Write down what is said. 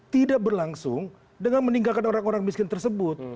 tidak berlangsung dengan meninggalkan orang orang miskin tersebut